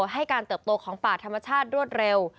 ให้การเติบโตของป่าธรรมชาติรวดเร็ว